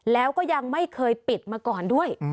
แล้วก็ยังไม่เคยปิดมาก่อนด้วย